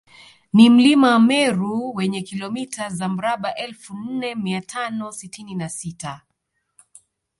Ni mlima Meru wenye kilomita za mraba elfu nne mia tano sitini na sita